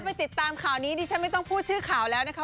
ไปติดตามข่าวนี้ดิฉันไม่ต้องพูดชื่อข่าวแล้วนะคะ